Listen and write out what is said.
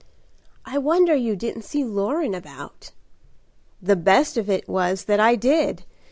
"I wonder you didn't see Loren about." "The best of it was that I did.